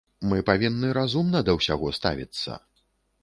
Мы павінны разумна да ўсяго ставіцца.